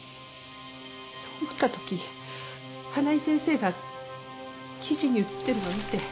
そう思った時花井先生が記事に写ってるのを見て。